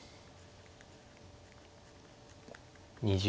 ２０秒。